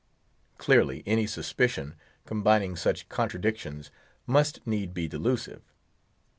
Clearly any suspicion, combining such contradictions, must need be delusive.